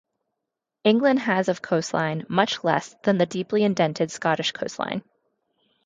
England has of coastline, much less than the deeply indented Scottish coastline.